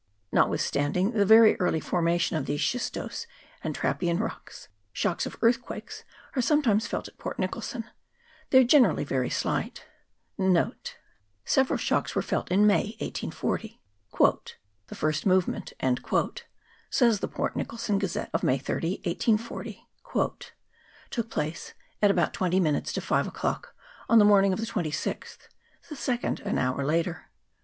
Notwithstanding the very early formation of these schistous and trappean rocks, shocks of earthquakes are sometimes felt at Port Nicholson. They are generally very slight. 1 1 Several shocks were felt in May, 1840. " The first move ment," says the Port Nicholson Gazette, of May 30, 1840, "took place at about twenty minutes to five o'clock on the morning of the 26th ; the second, an hour later.